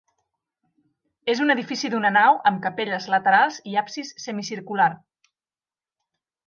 És un edifici d'una nau amb capelles laterals i absis semicircular.